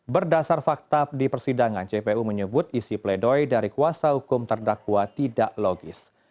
berdasar fakta di persidangan jpu menyebut isi pledoi dari kuasa hukum terdakwa tidak logis